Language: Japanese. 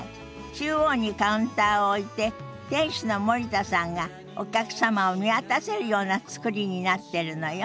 中央にカウンターを置いて店主の森田さんがお客様を見渡せるような造りになってるのよ。